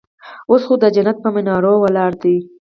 اوس خو د جنت پهٔ منارو ولاړه ده